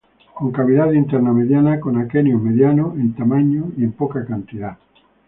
Con cavidad interna mediana, con aquenios medianos en tamaño y en poca cantidad.